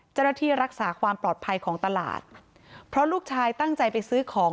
เจ้าหน้าที่รักษาความปลอดภัยของตลาดเพราะลูกชายตั้งใจไปซื้อของ